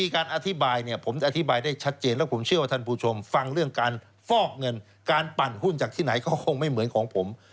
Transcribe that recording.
การปั่นหุ้นจากที่ไหนก็คงไม่เหมือนของผม